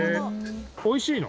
おいしいの？